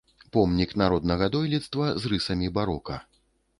Помнік народнага дойлідства з рысамі барока.